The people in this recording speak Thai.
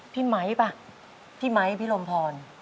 ไมค์ป่ะพี่ไมค์พี่ลมพร